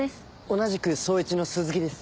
同じく捜一の鈴木です。